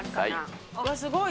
すごい。